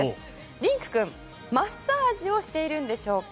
リンク君、マッサージをしているんでしょうか。